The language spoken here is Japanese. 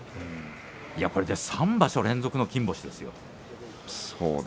これで３場所連続の金星ですよ。